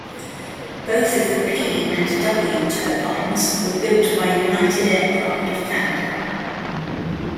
Both of the P and W turbines were built by United Aircraft of Canada.